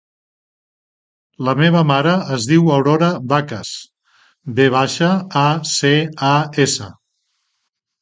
La meva mare es diu Aurora Vacas: ve baixa, a, ce, a, essa.